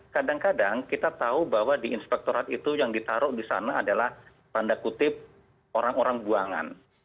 kadang kadang kita tahu bahwa di inspektorat itu yang ditaruh di sana adalah tanda kutip orang orang buangan